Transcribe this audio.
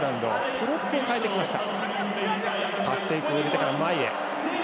プロップを代えてきました。